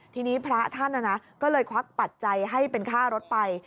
ทีนี้พระท่านก็เลยควักปัจจัยให้เป็นค่ารถไป